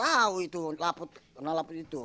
ya tahu itu laput karena laput itu